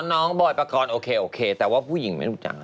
บอยปกรณ์โอเคโอเคแต่ว่าผู้หญิงไม่รู้จัก